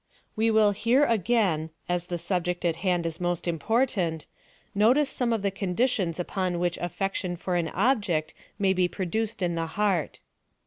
We will here, again, as the subject in hand is most important, notice some of the conditions upon which affection for an object may be produced in the heart.